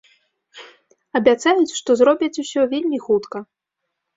Абяцаюць, што зробяць усё вельмі хутка.